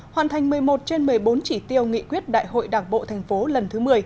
hoàn thành một mươi một trên một mươi bốn chỉ tiêu nghị quyết đại hội đảng bộ thành phố lần thứ một mươi